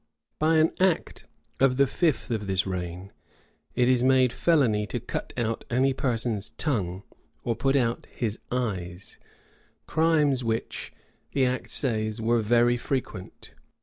By an act of the fifth of this reign, it is made felony to cut out any person's tongue, or put out his eyes; crimes which, the act says, were very frequent.